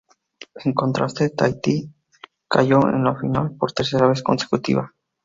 En contraste, Tahití cayó en la final por tercera vez consecutiva.